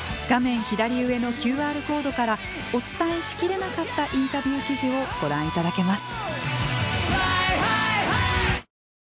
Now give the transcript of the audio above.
左上のＱＲコードからお伝えしきれなかったインタビュー記事をご覧いただけます。